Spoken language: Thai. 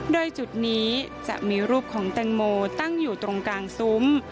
โดยจุดนี้จะมีรูปของแตงโมตั้งอยู่ตรงกลางซุ้ม